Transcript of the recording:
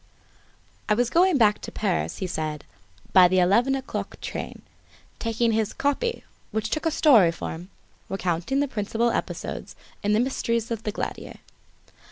I was going back to Paris, he said, by the eleven o'clock train, taking his "copy," which took a story form, recounting the principal episodes in the mysteries of the Glandier.